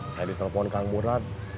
saya ditelepon kang murad